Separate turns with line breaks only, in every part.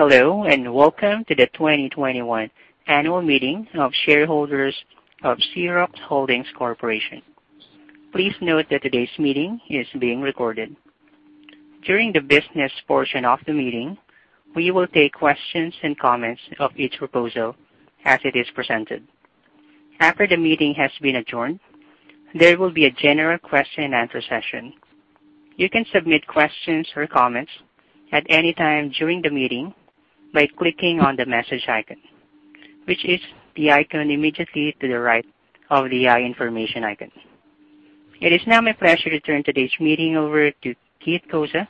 Hello, welcome to the 2021 annual meeting of shareholders of Xerox Holdings Corporation. Please note that today's meeting is being recorded. During the business portion of the meeting, we will take questions and comments of each proposal as it is presented. After the meeting has been adjourned, there will be a general question and answer session. You can submit questions or comments at any time during the meeting by clicking on the message icon, which is the icon immediately to the right of the information icon. It is now my pleasure to turn today's meeting over to Keith Cozza,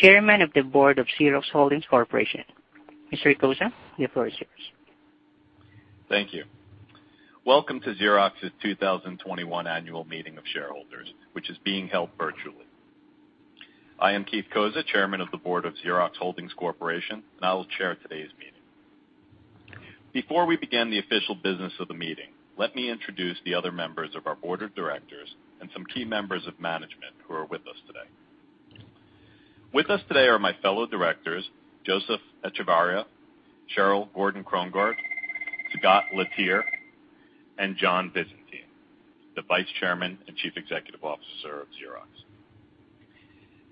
Chairman of the Board of Xerox Holdings Corporation. Mr. Cozza, the floor is yours.
Thank you. Welcome to Xerox's 2021 annual meeting of shareholders, which is being held virtually. I am Keith Cozza, Chairman of the Board of Xerox Holdings Corporation. I will chair today's meeting. Before we begin the official business of the meeting, let me introduce the other members of our board of directors and some key members of management who are with us today. With us today are my fellow directors, Joseph Echevarria, Cheryl Gordon Krongard, Scott Letier, and John Visentin, the Vice Chairman and Chief Executive Officer of Xerox.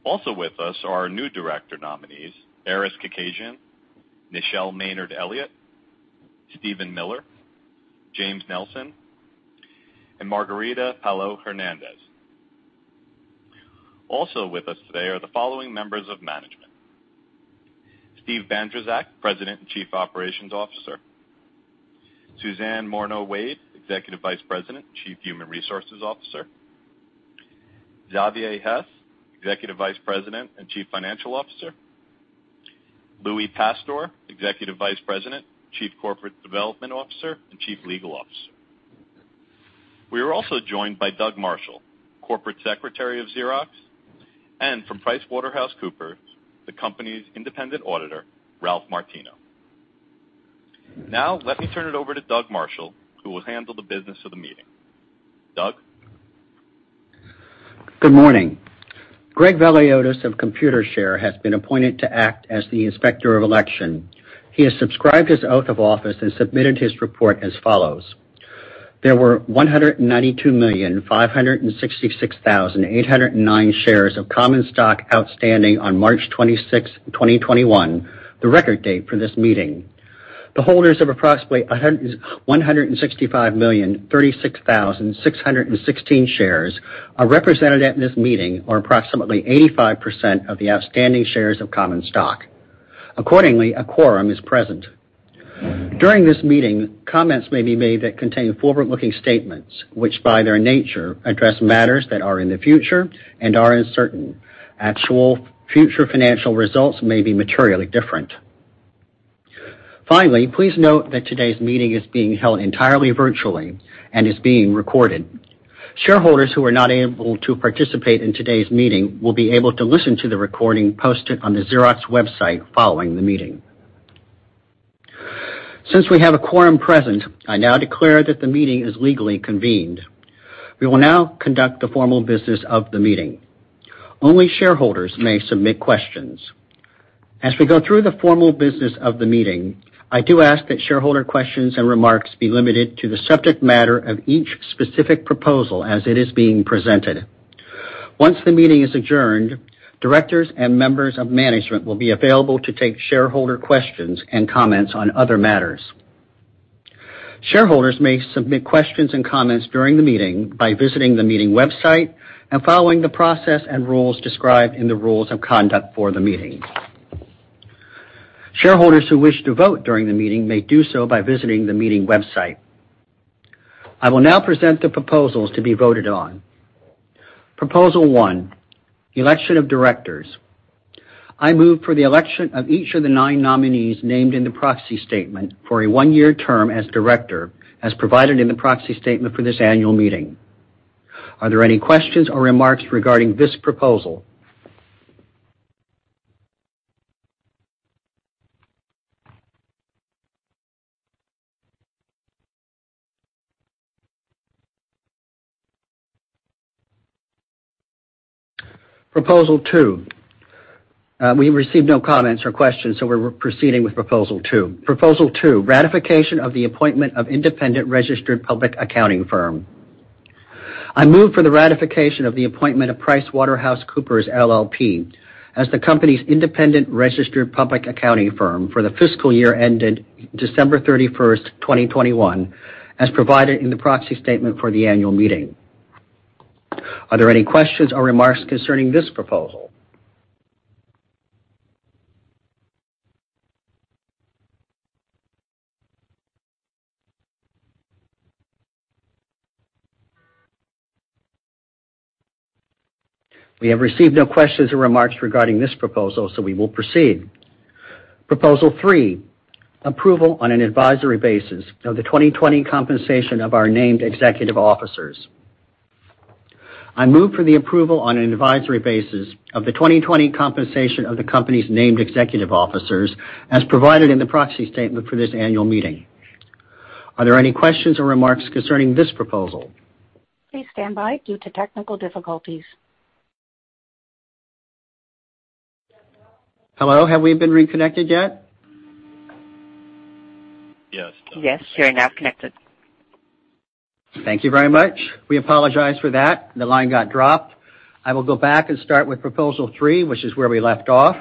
Also with us are our new director nominees, Aris Kekedjian, Nichelle Maynard-Elliott, Steven Miller, James Nelson, and Margarita Paláu-Hernández. Also with us today are the following members of management, Steve Bandrowczak, President and Chief Operations Officer. Suzan Morno-Wade, Executive Vice President, Chief Human Resources Officer. Xavier Heiss, Executive Vice President and Chief Financial Officer. Louie Pastor, executive vice president, chief corporate development officer and chief legal officer. We are also joined by Doug Marshall, corporate secretary of Xerox, and from PricewaterhouseCoopers, the company's independent auditor, Ralph Martino. Now, let me turn it over to Doug Marshall, who will handle the business of the meeting. Doug?
Good morning. Greg Veliotis of Computershare has been appointed to act as the Inspector of Election. He has subscribed his oath of office and submitted his report as follows. There were 192,566,809 shares of common stock outstanding on March 26, 2021, the record date for this meeting. The holders of approximately 165,036,616 shares are represented at this meeting, or approximately 85% of the outstanding shares of common stock. Accordingly, a quorum is present. During this meeting, comments may be made that contain forward-looking statements, which by their nature address matters that are in the future and are uncertain. Actual future financial results may be materially different. Finally, please note that today's meeting is being held entirely virtually and is being recorded. Shareholders who are not able to participate in today's meeting will be able to listen to the recording posted on the Xerox website following the meeting. Since we have a quorum present, I now declare that the meeting is legally convened. We will now conduct the formal business of the meeting. Only shareholders may submit questions. As we go through the formal business of the meeting, I do ask that shareholder questions and remarks be limited to the subject matter of each specific proposal as it is being presented. Once the meeting is adjourned, directors and members of management will be available to take shareholder questions and comments on other matters. Shareholders may submit questions and comments during the meeting by visiting the meeting website and following the process and rules described in the rules of conduct for the meeting. Shareholders who wish to vote during the meeting may do so by visiting the meeting website. I will now present the proposals to be voted on. Proposal 1, election of directors. I move for the election of each of the nine nominees named in the proxy statement for a one-year term as director, as provided in the proxy statement for this annual meeting. Are there any questions or remarks regarding this proposal? Proposal 2. We received no comments or questions, we're proceeding with proposal 2. Proposal 2, ratification of the appointment of independent registered public accounting firm. I move for the ratification of the appointment of PricewaterhouseCoopers LLP as the company's independent registered public accounting firm for the fiscal year ending December 31st, 2021, as provided in the proxy statement for the annual meeting. Are there any questions or remarks concerning this proposal? We have received no questions or remarks regarding this proposal. We will proceed. Proposal three, approval on an advisory basis of the 2020 compensation of our named executive officers. I move for the approval on an advisory basis of the 2020 compensation of the company's named executive officers, as provided in the proxy statement for this annual meeting. Are there any questions or remarks concerning this proposal? Hello, have we been reconnected yet?
Yes, you're now connected.
Thank you very much. We apologize for that. The line got dropped. I will go back and start with proposal three, which is where we left off.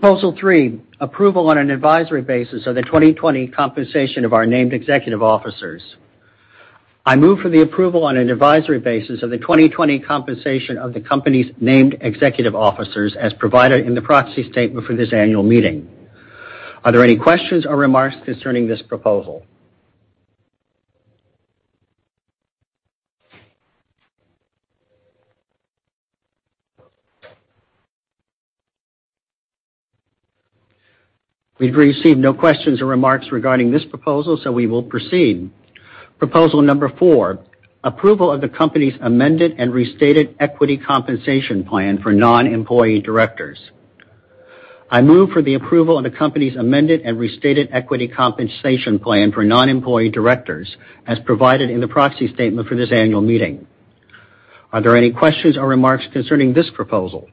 Proposal 3, approval on an advisory basis of the 2020 compensation of our named executive officers. I move for the approval on an advisory basis of the 2020 compensation of the company's named executive officers as provided in the proxy statement for this annual meeting. Are there any questions or remarks concerning this proposal? We've received no questions or remarks regarding this proposal, so we will proceed. Proposal number 4 approval of the company's amended and restated equity compensation plan for non-employee directors. I move for the approval of the company's amended and restated equity compensation plan for non-employee directors as provided in the proxy statement for this annual meeting. Are there any questions or remarks concerning this proposal?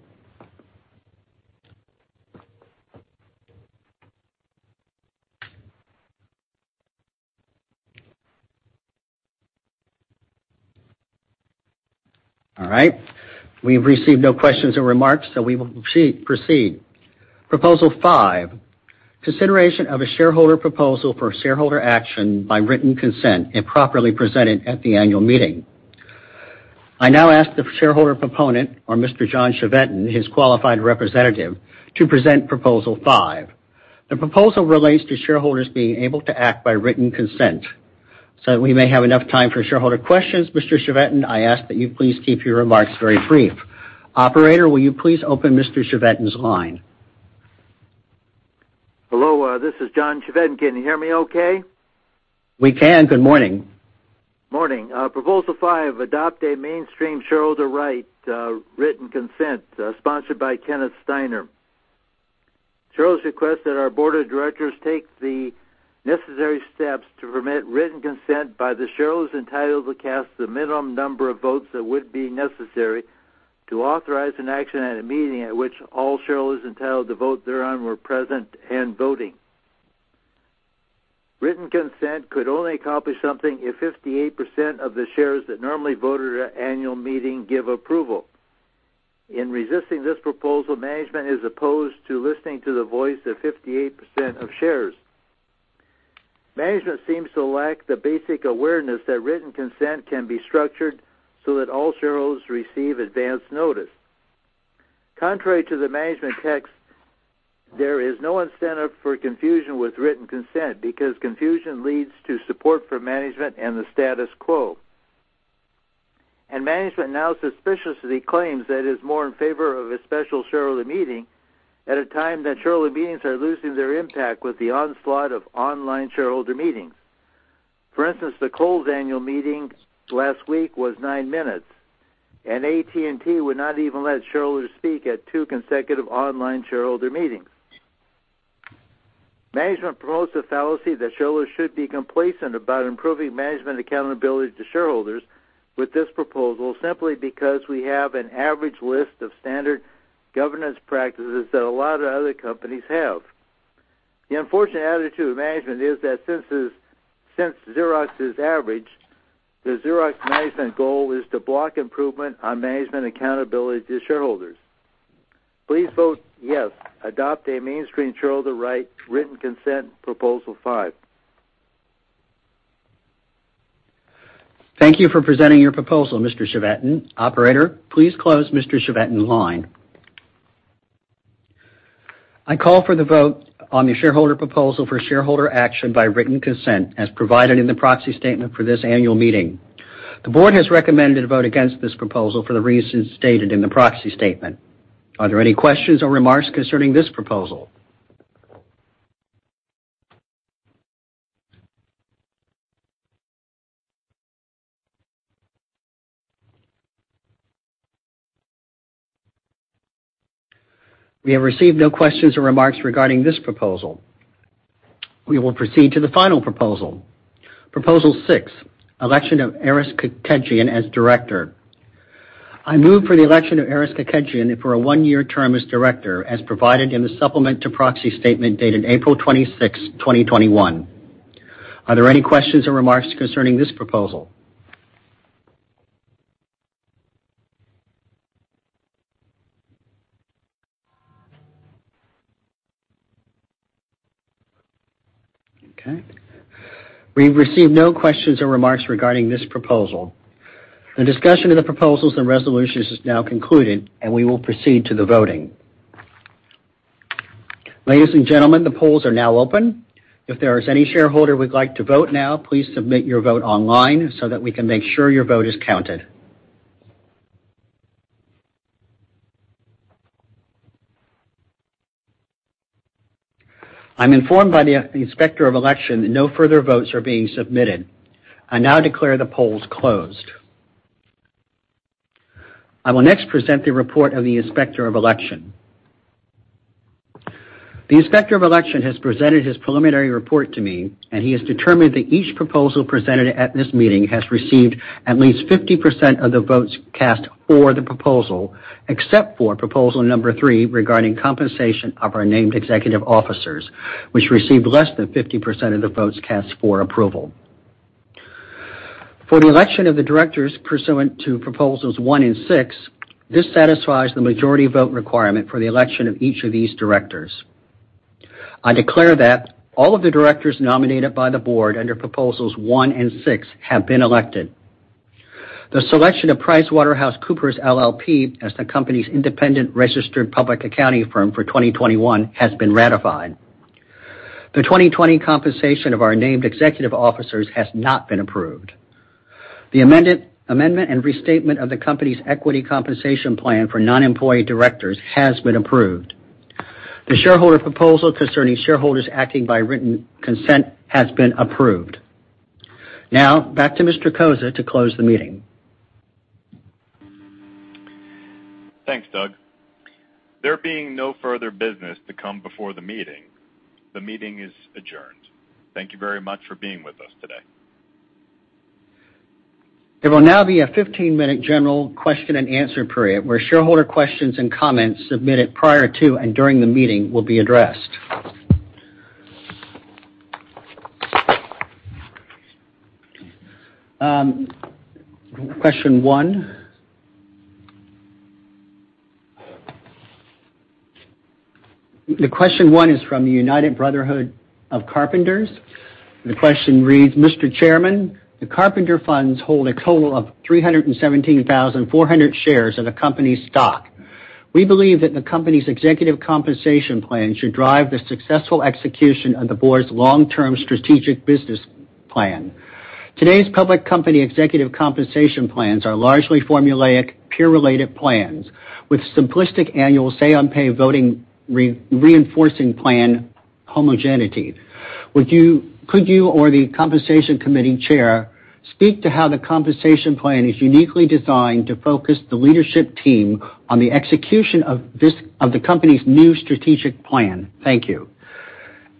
All right. We've received no questions or remarks. We will proceed. Proposal 5, consideration of a shareholder proposal for shareholder action by written consent if properly presented at the Annual Meeting. I now ask the shareholder proponent, or Mr. John Chevedden, his qualified representative, to present proposal 5. The proposal relates to shareholders being able to act by written consent. We may have enough time for shareholder questions. Mr. Chevedden, I ask that you please keep your remarks very brief. Operator, will you please open Mr. Chevedden's line?
Hello, this is John Chevedden. Can you hear me okay?
We can. Good morning.
Morning. Proposal 5, adopt a mainstream shareholder right, Written Consent, sponsored by Kenneth Steiner. Shareholders request that our board of directors take the necessary steps to permit Written Consent by the shareholders entitled to cast the minimum number of votes that would be necessary to authorize an action at a meeting at which all shareholders entitled to vote thereon were present and voting. Written Consent could only accomplish something if 58% of the shares that normally voted at annual meeting give approval. In resisting this proposal, management is opposed to listening to the voice of 58% of shares. Management seems to lack the basic awareness that Written Consent can be structured so that all shareholders receive advanced notice. Contrary to the management text, there is no incentive for confusion with Written Consent because confusion leads to support for management and the status quo. Management now suspiciously claims that it's more in favor of a special shareholder meeting at a time that shareholder meetings are losing their impact with the onslaught of online shareholder meetings. For instance, the Kohl's annual meeting last week was nine minutes, and AT&T would not even let shareholders speak at two consecutive online shareholder meetings. Management promotes the fallacy that shareholders should be complacent about improving management accountability to shareholders with this proposal simply because we have an average list of standard governance practices that a lot of other companies have. The unfortunate attitude of management is that since Xerox is average, the Xerox management goal is to block improvement on management accountability to shareholders. Please vote yes. Adopt a mainstream shareholder right, written consent, proposal five.
Thank you for presenting your proposal, Mr. Chevedden. Operator, please close Mr. Chevedden's line. I call for the vote on the shareholder proposal for shareholder action by written consent as provided in the proxy statement for this annual meeting. The board has recommended to vote against this proposal for the reasons stated in the proxy statement. Are there any questions or remarks concerning this proposal? We have received no questions or remarks regarding this proposal. We will proceed to the final proposal. Proposal 6, election of Aris Kekedjian as director. I move for the election of Aris Kekedjian for a one-year term as director, as provided in the supplement to proxy statement dated April 26, 2021. Are there any questions or remarks concerning this proposal? Okay. We've received no questions or remarks regarding this proposal. The discussion of the proposals and resolutions is now concluded, and we will proceed to the voting. Ladies and gentlemen, the polls are now open. If there is any shareholder who would like to vote now, please submit your vote online so that we can make sure your vote is counted. I'm informed by the Inspector of Election that no further votes are being submitted. I now declare the polls closed. I will next present the report of the Inspector of Election. The Inspector of Election has presented his preliminary report to me, and he has determined that each proposal presented at this meeting has received at least 50% of the votes cast for the proposal, except for proposal number 3 regarding compensation of our named executive officers, which received less than 50% of the votes cast for approval. For an election of the directors pursuant to proposals one and six, this satisfies the majority vote requirement for the election of each of these directors. I declare that all of the directors nominated by the board under proposals one and six have been elected. The selection of PricewaterhouseCoopers LLP as the company's independent registered public accounting firm for 2021 has been ratified. The 2020 compensation of our named executive officers has not been approved. The amendment and restatement of the company's equity compensation plan for non-employee directors has been approved. The shareholder proposal concerning shareholders acting by written consent has been approved. Back to Mr. Cozza to close the meeting.
Thanks, Doug. There being no further business to come before the meeting, the meeting is adjourned. Thank you very much for being with us today.
There will now be a 15-minute general question and answer period, where shareholder questions and comments submitted prior to and during the meeting will be addressed. Question one. Question one is from the United Brotherhood of Carpenters. The question reads, "Mr. Chairman, the Carpenter funds hold a total of 317,400 shares of the company's stock. We believe that the company's executive compensation plan should drive the successful execution of the board's long-term strategic business plan. Today's public company executive compensation plans are largely formulaic, peer-related plans with simplistic annual say-on-pay voting reinforcing plan homogeneity. Could you or the Compensation Committee Chair speak to how the compensation plan is uniquely designed to focus the leadership team on the execution of the company's new strategic plan? Thank you."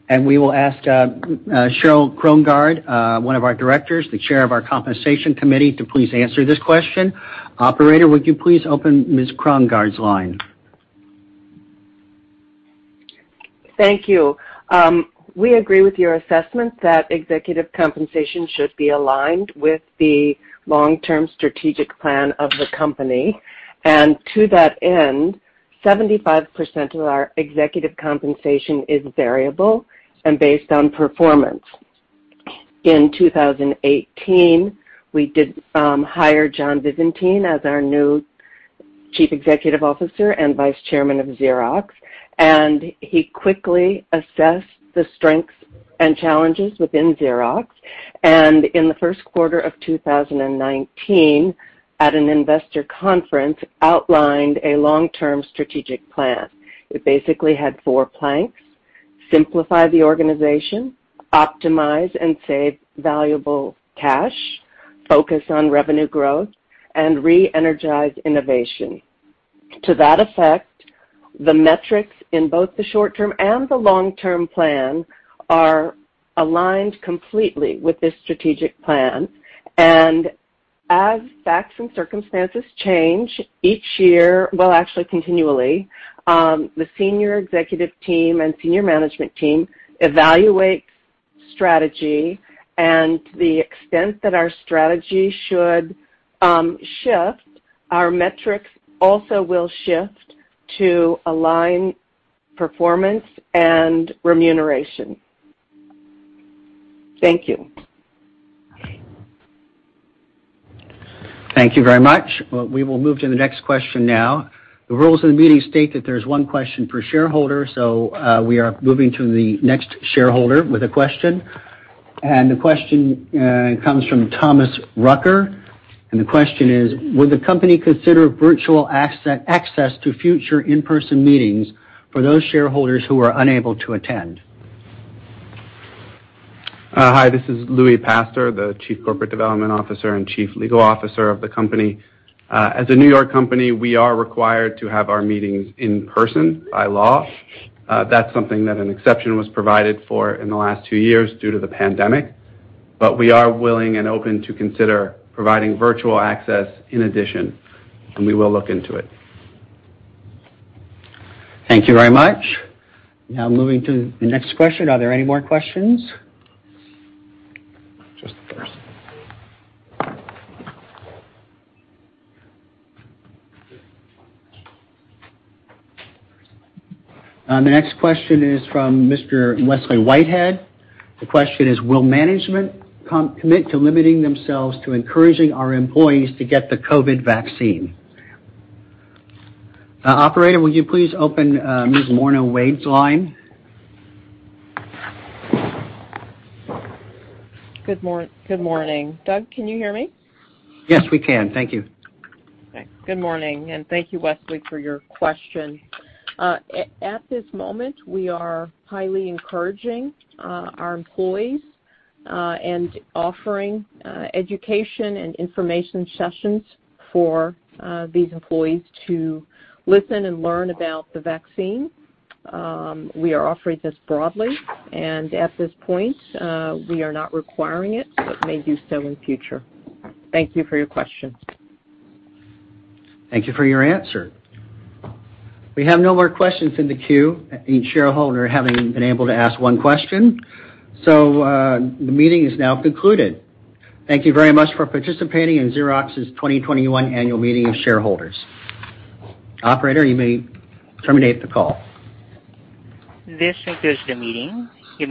We will ask Cheryl Krongard, one of our directors, the Chair of our Compensation Committee, to please answer this question. Operator, would you please open Ms. Krongard's line?
Thank you. We agree with your assessment that executive compensation should be aligned with the long-term strategic plan of the company. To that end, 75% of our executive compensation is variable and based on performance. In 2018, we did hire John Visentin as our new Chief Executive Officer and Vice Chairman of Xerox, and he quickly assessed the strengths and challenges within Xerox. In the first quarter of 2019, at an investor conference, outlined a long-term strategic plan. It basically had four planks: simplify the organization, optimize and save valuable cash, focus on revenue growth, and re-energize innovation. To that effect, the metrics in both the short-term and the long-term plan are aligned completely with this strategic plan. As facts and circumstances change each year, well, actually continually, the senior executive team and senior management team evaluates strategy, and to the extent that our strategy should shift, our metrics also will shift to align performance and remuneration. Thank you.
Thank you very much. We will move to the next question now. The rules of the meeting state that there's one question per shareholder, so we are moving to the next shareholder with a question. The question comes from Thomas Rucker. The question is, "Would the company consider virtual access to future in-person meetings for those shareholders who are unable to attend?
Hi, this is Louie Pastor, the Chief Corporate Development Officer and Chief Legal Officer of the company. As a New York company, we are required to have our meetings in person by law. That's something that an exception was provided for in the last two years due to the pandemic. We are willing and open to consider providing virtual access in addition, and we will look into it.
Thank you very much. Now moving to the next question. Are there any more questions? Just a second. The next question is from Mr. Wesley Whitehead. The question is, "Will management commit to limiting themselves to encouraging our employees to get the COVID vaccine?" Operator, would you please open Ms. Morno-Wade's line?
Good morning. Doug, can you hear me?
Yes, we can. Thank you.
Good morning, and thank you, Wesley, for your question. At this moment, we are highly encouraging our employees and offering education and information sessions for these employees to listen and learn about the vaccine. We are offering this broadly, and at this point, we are not requiring it, but may do so in the future. Thank you for your question.
Thank you for your answer. We have no more questions in the queue. Each shareholder having been able to ask one question. The meeting is now concluded. Thank you very much for participating in Xerox's 2021 Annual Meeting of Shareholders. Operator, you may terminate the call.
This concludes the meeting. You may.